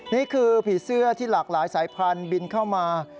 นี่คือผีเสื้อที่หลากหลายสายพันธุ์บินเข้ามา